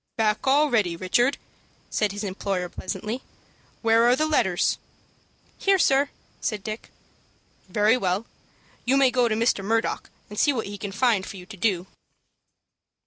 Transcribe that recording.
"Back already, Richard?" said his employer, pleasantly. "Where are the letters?" "Here, sir," said Dick. "Very well, you may go to Mr. Murdock, and see what he can find for you to do."